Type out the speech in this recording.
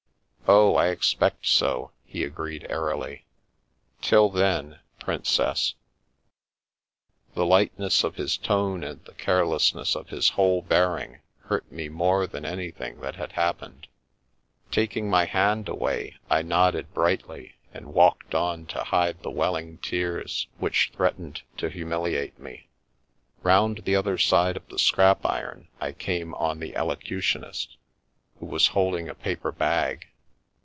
" Oh, I expect so !" he agreed airily. " Till then, prin cess !" The lightness of his tone and the carelessness of his whole bearing hurt me more than anything that had happened. Taking my hand away, I nodded brightly, and walked on to hide the welling tears which threat ened to humiliate me. Round the other side of the scrap o~ Being Fey iron I came on the Elocutionist, who was holding a paper bag.